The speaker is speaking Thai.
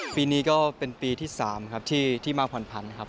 ปีนี้ก็เป็นปีที่๓ครับที่มาผ่อนผันครับ